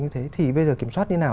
thì bây giờ kiểm soát như thế nào